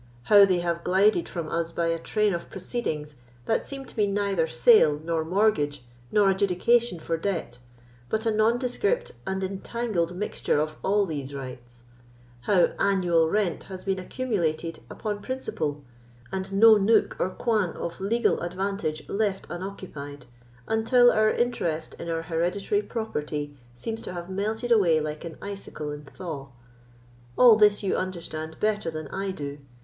How they have glided from us by a train of proceedings that seem to be neither sale, nor mortgage, nor adjudication for debt, but a nondescript and entangled mixture of all these rights; how annual rent has been accumulated upon principal, and no nook or coign of legal advantage left unoccupied, until our interest in our hereditary property seems to have melted away like an icicle in thaw—all this you understand better than I do.